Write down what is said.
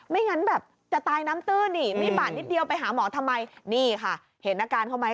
งั้นแบบจะตายน้ำตื้นนี่มีบาดนิดเดียวไปหาหมอทำไมนี่ค่ะเห็นอาการเขาไหม